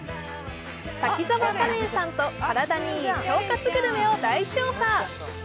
滝沢カレンさんと体にいい腸活グルメを大調査。